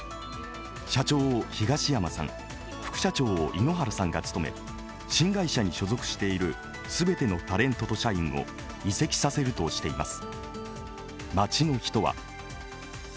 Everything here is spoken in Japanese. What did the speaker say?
社長を東山さん、副社長を井ノ原さんが務め、新会社に所属している全てのタレントと社員を移籍させるとしています。